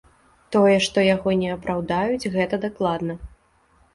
Тое, што яго не апраўдаюць, гэта дакладна.